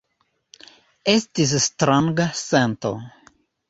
Estis stranga sento.